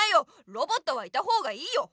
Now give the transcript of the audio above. ロボットはいたほうがいいよ！